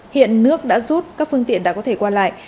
hiện nước đã rút các phương tiện đã có thể qua lại